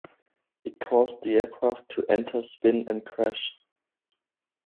It caused the aircraft to entre spin and crash.